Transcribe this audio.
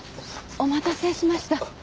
お待たせしました。